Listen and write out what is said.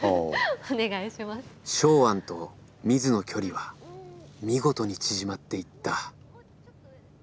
ショウアンとミズの距離は見事に縮まっていった。